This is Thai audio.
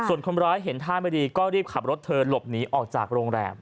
ส่วนคนร้ายเห็นท่าไม่ดีก็รีบขับรถเธอหลบหนีออกจากโรงแรม